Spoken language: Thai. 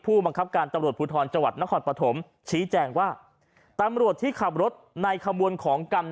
ผู้บังคับการตำรวจภูทรจังหวัดนครปฐมชี้แจงว่าตำรวจที่ขับรถในขบวนของกรรม